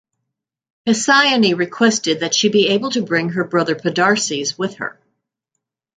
Hesione requested that she be able to bring her brother Podarces with her.